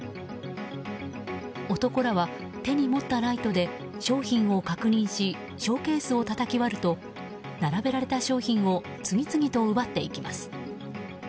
男らは手に持ったライトで商品を確認しショーケースをたたき割ると並べられた商品を次々と奪っていきます。